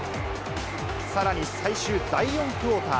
さらに最終第４クオーター。